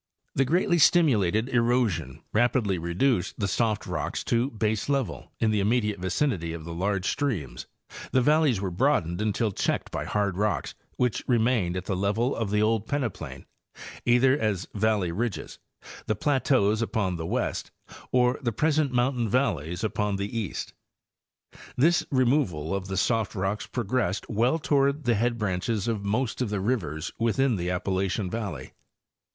The greatly stimulated erosion rapidly reduced the soft rocks to baselevel in the immediate vicinity of the large streams; the valleys were broadened until checked by hard rocks which remained at the level of the, old peneplain, either as the valley ridges, the plateaus upon the west, or the present mountain valleys upon the east. This removal of the soft rocks progressed well toward the head branches of most of the rivers within the Appalachian yalley.